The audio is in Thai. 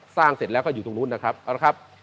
สร้างเสร็จแล้วก็อยู่ตรงนู้นนะครับ